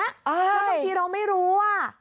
แล้วบางทีเราไม่รู้ว่า